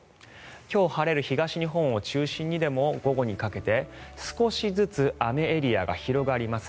今日、晴れる東日本を中心に午後にかけて少しずつ雨エリアが広がります。